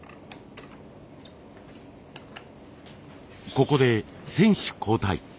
ここで選手交代。